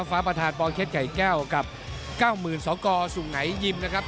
ฟ้าประธานปเคสไก่แก้วกับ๙๐๐สกสุงไหนยิมนะครับ